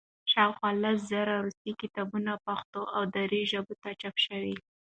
شاوخوا لس زره روسي کتابونه پښتو او دري ژبو ته چاپ شوي.